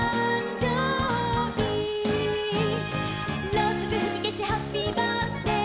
「ローソクふきけしハッピーバースデー」